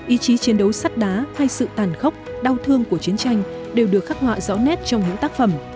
ý chí chiến đấu sắt đá hay sự tàn khốc đau thương của chiến tranh đều được khắc họa rõ nét trong những tác phẩm